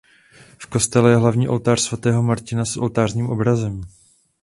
V kostele je hlavní oltář svatého Martina s oltářním obrazem.